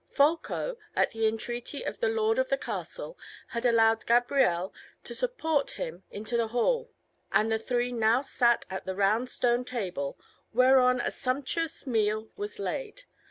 Folko, at the entreaty of the lord of the castle, had allowed Gabrielle to support him into the hall; and the three now sat at the round stone table, whereon a sumptuous meal was laid.